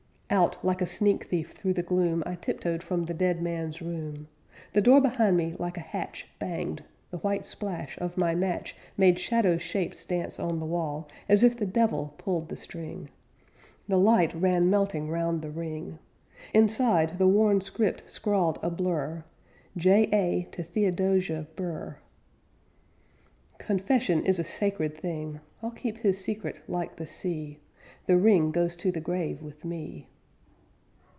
Out, like a sneak thief through the gloom, I tiptoed from the dead man's room; The door behind me like a hatch Banged the white splash of my match Made shadow shapes dance on the wall As if the devil pulled the string. The light ran melting round the ring; Inside the worn script scrawled a blur: 'J.A. to Theodosia Burr' Confession is a sacred thing! I'll keep his secret like the sea; The ring goes to the grave with me."